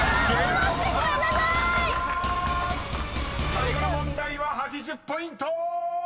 ［最後の問題は８０ポイント！］